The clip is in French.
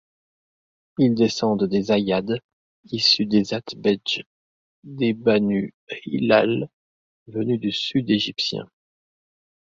Ils descendent des Ayad, issu des Athbedj des Banu Hilal venu du sud égyptien.